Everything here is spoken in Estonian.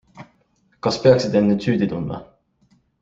Kas peaksid end nüüd süüdi tundma?